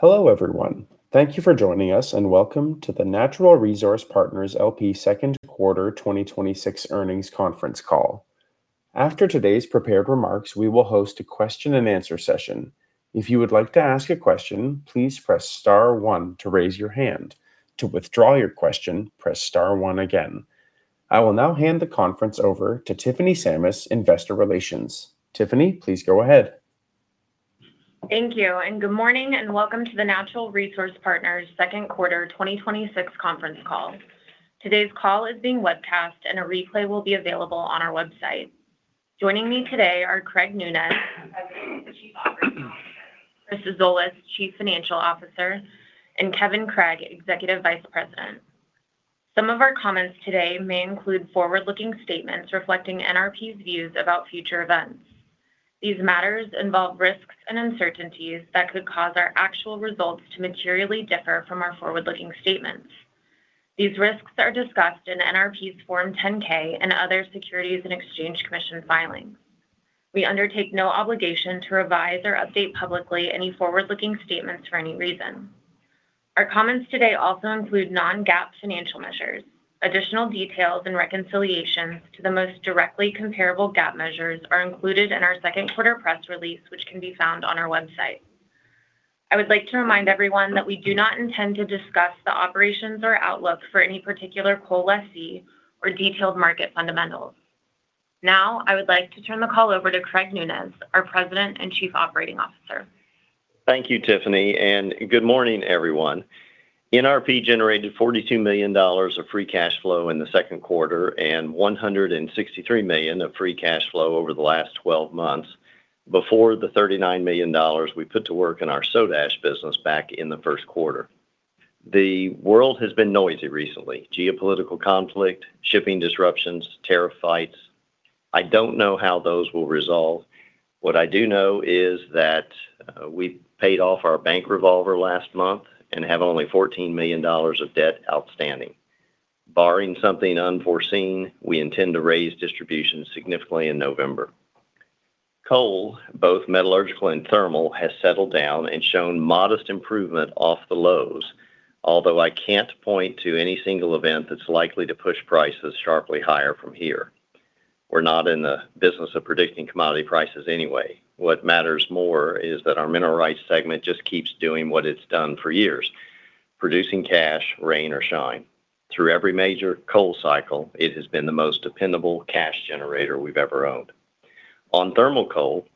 Hello, everyone. Thank you for joining us, and welcome to the Natural Resource Partners L.P. Second Quarter 2026 Earnings Conference Call. After today's prepared remarks, we will host a question and answer session. If you would like to ask a question, please press star one to raise your hand. To withdraw your question, press star one again. I will now hand the conference over to Tiffany Sammis, Investor Relations. Tiffany, please go ahead. Thank you, good morning, and welcome to the Natural Resource Partners Second Quarter 2026 Conference Call. Today's call is being webcast, and a replay will be available on our website. Joining me today are Craig Nunez, President and Chief Operating Officer, Chris Zolas, Chief Financial Officer, and Kevin Craig, Executive Vice President. Some of our comments today may include forward-looking statements reflecting NRP's views about future events. These matters involve risks and uncertainties that could cause our actual results to materially differ from our forward-looking statements. These risks are discussed in NRP's Form 10-K and other Securities and Exchange Commission filings. We undertake no obligation to revise or update publicly any forward-looking statements for any reason. Our comments today also include non-GAAP financial measures. Additional details and reconciliations to the most directly comparable GAAP measures are included in our second quarter press release, which can be found on our website. I would like to remind everyone that we do not intend to discuss the operations or outlook for any particular coal lessee or detailed market fundamentals. I would like to turn the call over to Craig Nunez, our President and Chief Operating Officer. Thank you, Tiffany, good morning, everyone. NRP generated $42 million of free cash flow in the second quarter and $163 million of free cash flow over the last 12 months before the $39 million we put to work in our soda ash business back in the first quarter. The world has been noisy recently. Geopolitical conflict, shipping disruptions, tariff fights. I don't know how those will resolve. What I do know is that we paid off our bank revolver last month and have only $14 million of debt outstanding. Barring something unforeseen, we intend to raise distributions significantly in November. Coal, both metallurgical and thermal, has settled down and shown modest improvement off the lows. I can't point to any single event that's likely to push prices sharply higher from here. We're not in the business of predicting commodity prices anyway. What matters more is that our mineral rights segment just keeps doing what it's done for years, producing cash, rain or shine. Through every major coal cycle, it has been the most dependable cash generator we've ever owned. On thermal coal,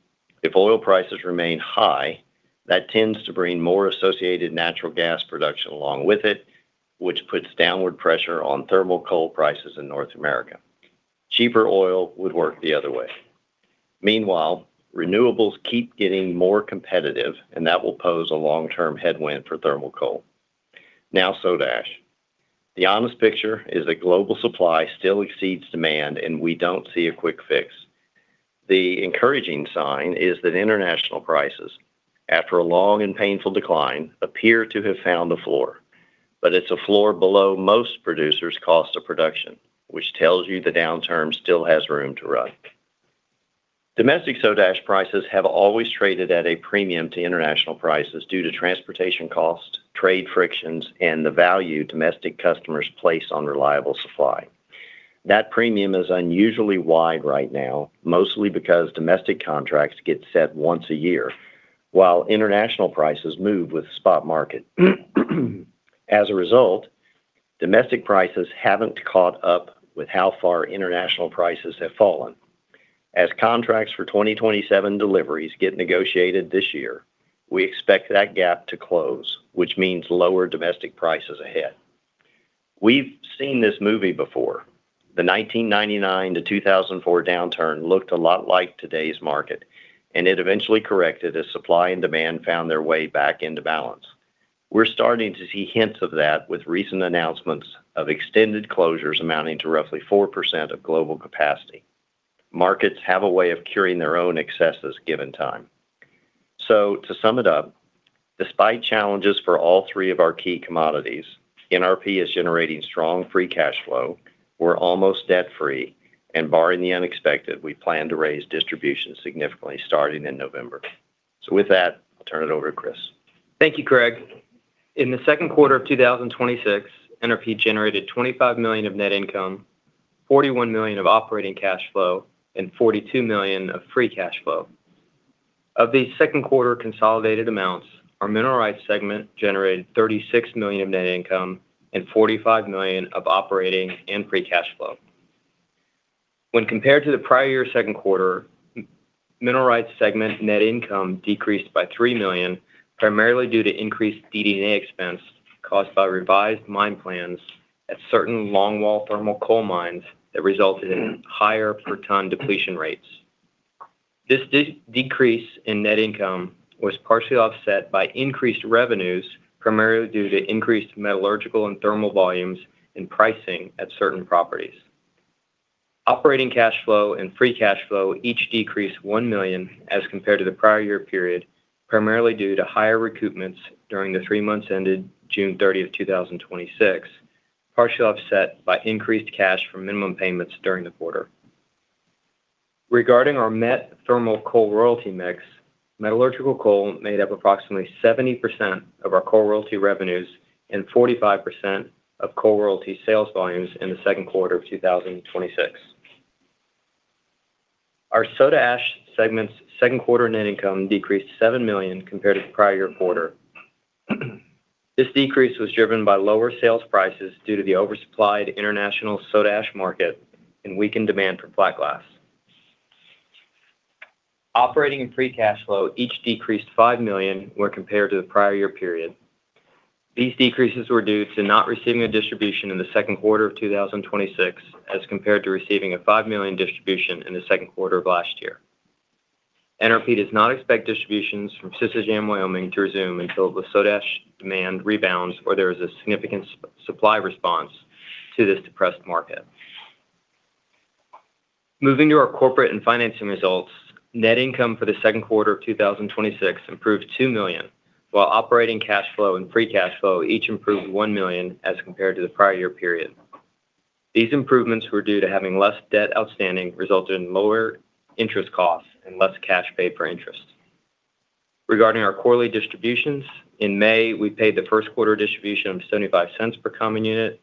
if oil prices remain high, that tends to bring more associated natural gas production along with it, which puts downward pressure on thermal coal prices in North America. Cheaper oil would work the other way. Meanwhile, renewables keep getting more competitive, that will pose a long-term headwind for thermal coal. Now, soda ash. The honest picture is that global supply still exceeds demand, we don't see a quick fix. The encouraging sign is that international prices, after a long and painful decline, appear to have found the floor. But it's a floor below most producers' cost of production, which tells you the downturn still has room to run. Domestic soda ash prices have always traded at a premium to international prices due to transportation cost, trade frictions, and the value domestic customers place on reliable supply. That premium is unusually wide right now, mostly because domestic contracts get set once a year, while international prices move with the spot market. As a result, domestic prices haven't caught up with how far international prices have fallen. As contracts for 2027 deliveries get negotiated this year, we expect that gap to close, which means lower domestic prices ahead. We've seen this movie before. The 1999-2004 downturn looked a lot like today's market, it eventually corrected as supply and demand found their way back into balance. We're starting to see hints of that with recent announcements of extended closures amounting to roughly 4% of global capacity. Markets have a way of curing their own excesses, given time. To sum it up, despite challenges for all three of our key commodities, NRP is generating strong free cash flow. We're almost debt-free, barring the unexpected, we plan to raise distributions significantly starting in November. With that, I'll turn it over to Chris. Thank you, Craig. In the second quarter of 2026, NRP generated $25 million of net income, $41 million of operating cash flow, and $42 million of free cash flow. Of these second quarter consolidated amounts, our mineral rights segment generated $36 million of net income and $45 million of operating and free cash flow. When compared to the prior year second quarter, mineral rights segment net income decreased by $3 million, primarily due to increased DD&A expense caused by revised mine plans at certain longwall thermal coal mines that resulted in higher per ton depletion rates. This decrease in net income was partially offset by increased revenues, primarily due to increased metallurgical and thermal volumes and pricing at certain properties. Operating cash flow and free cash flow each decreased $1 million as compared to the prior year period, primarily due to higher recoupments during the three months ended June 30th, 2026, partially offset by increased cash from minimum payments during the quarter. Regarding our met thermal coal royalty mix, metallurgical coal made up approximately 70% of our coal royalty revenues and 45% of coal royalty sales volumes in the second quarter of 2026. Our soda ash segment's second quarter net income decreased to $7 million compared to the prior year quarter. This decrease was driven by lower sales prices due to the oversupplied international soda ash market and weakened demand for flat glass. Operating and free cash flow each decreased $5 million when compared to the prior year period. These decreases were due to not receiving a distribution in the second quarter of 2026 as compared to receiving a $5 million distribution in the second quarter of last year. NRP does not expect distributions from Sisecam Wyoming to resume until the soda ash demand rebounds or there is a significant supply response to this depressed market. Moving to our corporate and financing results, net income for the second quarter of 2026 improved $2 million, while operating cash flow and free cash flow each improved $1 million as compared to the prior year period. These improvements were due to having less debt outstanding, resulting in lower interest costs and less cash paid for interest. Regarding our quarterly distributions, in May, we paid the first quarter distribution of $0.75 per common unit,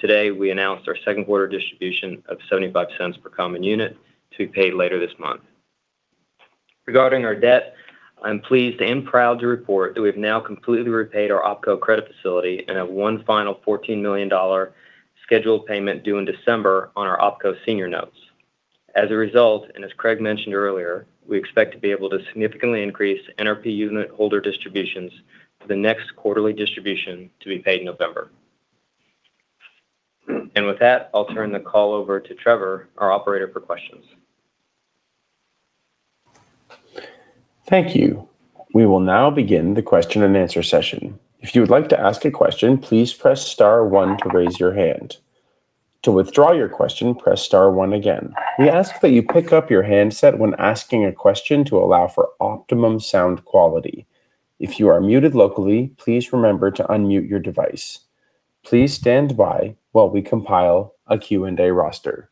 today we announced our second-quarter distribution of $0.75 per common unit to be paid later this month. Regarding our debt, I'm pleased and proud to report that we've now completely repaid our OpCo credit facility and have one final $14 million scheduled payment due in December on our OpCo senior notes. As a result, as Craig mentioned earlier, we expect to be able to significantly increase NRP unit holder distributions for the next quarterly distribution to be paid in November. With that, I'll turn the call over to Trevor, our operator for questions. Thank you. We will now begin the question and answer session. If you would like to ask a question, please press star one to raise your hand. To withdraw your question, press star one again. We ask that you pick up your handset when asking a question to allow for optimum sound quality. If you are muted locally, please remember to unmute your device. Please stand by while we compile a Q&A roster.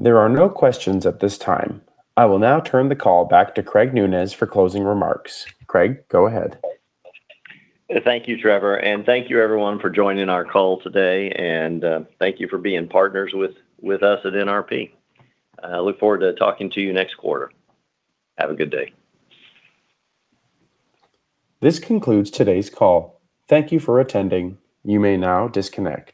There are no questions at this time. I will now turn the call back to Craig Nunez for closing remarks. Craig, go ahead. Thank you, Trevor, and thank you everyone for joining our call today, and thank you for being partners with us at NRP. I look forward to talking to you next quarter. Have a good day. This concludes today's call. Thank you for attending. You may now disconnect.